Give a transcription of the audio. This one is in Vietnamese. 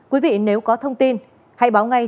quý vị nếu có thông tin hãy báo ngay